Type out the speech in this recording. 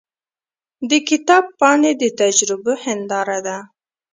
د کتاب پاڼې د تجربو هنداره ده.